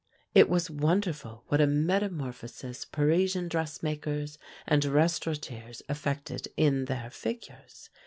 It was wonderful what a metamorphosis Parisian dressmakers and restaurateurs effected in their figures.